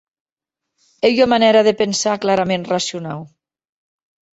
Ei ua manèra de pensar claraments racionau.